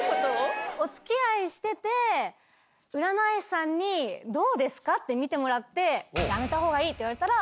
お付き合いしてて占い師さんにどうですか？って見てもらって。って言われたら。